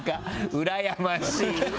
うらやましい。